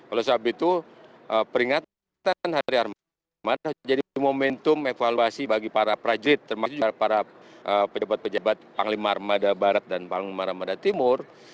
oleh sebab itu peringatan hari armada jadi momentum evaluasi bagi para prajurit termasuk para pejabat pejabat panglima armada barat dan panglima armada timur